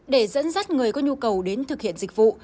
để dẫn dắt người có nhu cầu đến thực hiện dịch vụ